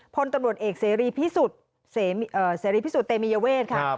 พลตำรวจเอกเสรีพิสุทธิ์เตมียเวทครับ